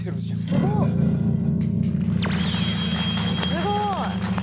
すごい！